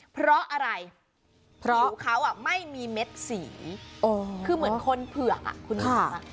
เพราะอะไรเพราะเขาไม่มีเม็ดสีคือเหมือนคนเผือกคุณ